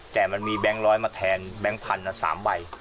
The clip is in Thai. แต่มันมีแบงค์ร้อยมาแทนแบงค์พันธุ์๓ใบ